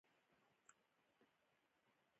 کروندګر د سباوونتیا لپاره هيله لري